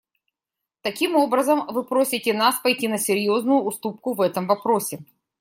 Таким образом, вы просите нас пойти на серьезную уступку в этом вопросе.